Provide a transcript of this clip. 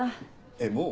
えっもう？